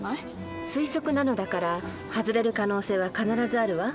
推測なのだから外れる可能性は必ずあるわ。